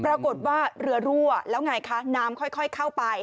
ปรากฏว่าเรือรั่วแล้วไงคะน้ำค่อยเข้าไป